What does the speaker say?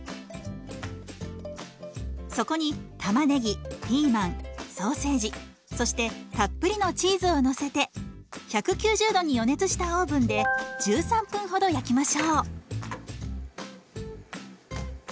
そこにたまねぎピーマンソーセージそしてたっぷりのチーズをのせて１９０度に予熱したオーブンで１３分ほど焼きましょう。